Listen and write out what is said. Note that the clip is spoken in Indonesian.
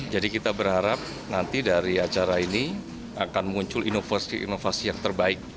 jadi kita berharap nanti dari acara ini akan muncul inovasi inovasi yang terbaik